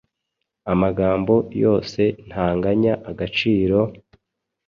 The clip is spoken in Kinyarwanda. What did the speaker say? Amagambo yose ntanganya agaciro,